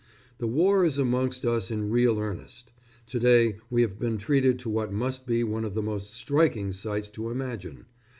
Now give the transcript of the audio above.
The war is amongst us in real earnest. To day we have been treated to what must be one of the most striking sights to imagine.